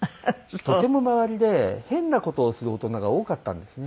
とても周りで変な事をする大人が多かったんですね。